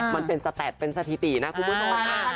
มันเป็นสเต็ดสทิปิฯน่ะคุณผู้ชม